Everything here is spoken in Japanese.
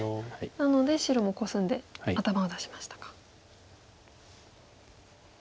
なので白もコスんで頭を出しましたか。